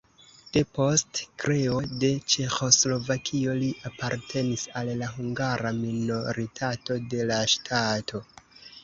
Depost kreo de Ĉeĥoslovakio li apartenis al la hungara minoritato de la ŝtato.